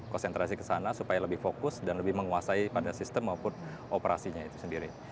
konsentrasi ke sana supaya lebih fokus dan lebih menguasai pada sistem maupun operasinya itu sendiri